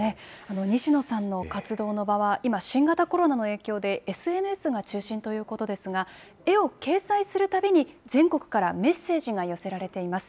西野さんの活動の場は、今、新型コロナの影響でＳＮＳが中心ということですが、絵を掲載するたびに、全国からメッセージが寄せられています。